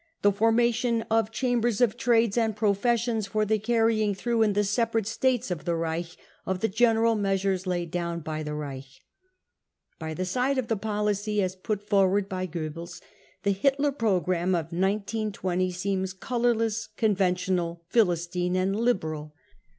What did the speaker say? The formation of chambers of trades ^ and professions for the carrying through in the separate States of the Reich of the general measures laid down by the Reich. 35 By the side of the policy as put forward by Goebbels, the Hitler programme of 1920 seenfs colourless, conventional, • philistine and liberal.